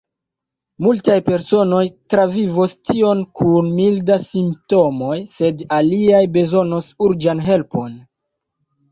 Multaj personoj travivos tion kun mildaj simptomoj, sed aliaj bezonos urĝan helpon.